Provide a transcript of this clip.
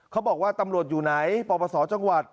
เขาบอกว่าตำรวจอยู่ไหนประวัติศาสตร์จังหวัด